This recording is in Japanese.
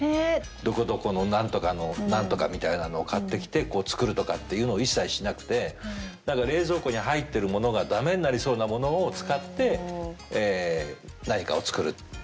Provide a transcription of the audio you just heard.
どこどこのなんとかのなんとかみたいなのを買ってきて作るとかっていうのを一切しなくて何か冷蔵庫に入ってるものが駄目になりそうなものを使って何かを作る。